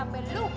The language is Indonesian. oh gini dong deh